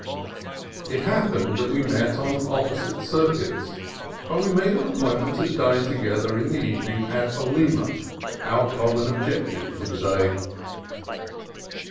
It hap pened that we met on opposite circuits, but we made an appointment to dine together in the evening at Olema, our common objective for the day.